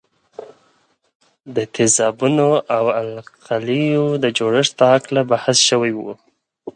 د تیزابونو او القلیو د جوړښت په هکله بحث شوی وو.